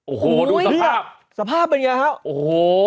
โอ้โหดูสภาพสภาพเป็นไงฮะโอ้โห